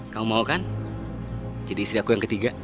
kamu mau kan jadi istri aku yang ketiga